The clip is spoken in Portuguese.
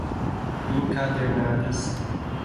encadernadas